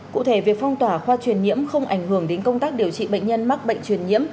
cụ thể việc phong tỏa khoa truyền nhiễm không ảnh hưởng đến công tác điều trị bệnh nhân mắc bệnh truyền nhiễm